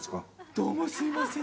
どうもすいません。